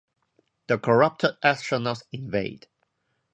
The corrupted astronauts invade.